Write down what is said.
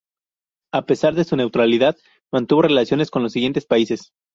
A pesar de su neutralidad, mantuvo relaciones con los siguientes países.